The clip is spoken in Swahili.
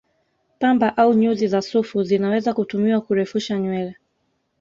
Pamba au nyuzi za sufu zinaweza kutumiwa kurefusha nywele